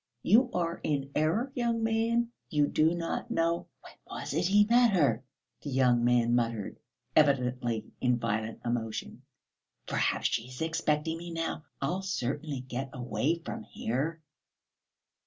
You are in error, young man, you do not know...." "When was it he met her?" the young man muttered, evidently in violent emotion. "Perhaps she is expecting me now.... I'll certainly get away from here!"